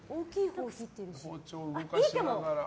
いいかも！